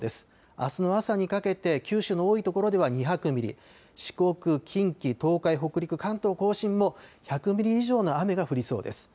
あすの朝にかけて九州の多いところでは２００ミリ、四国、近畿、東海、北陸、関東甲信も１００ミリ以上の雨が降りそうです。